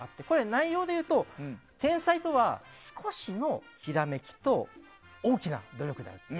内容で言うと天才とは少しのひらめきと大きな努力だと。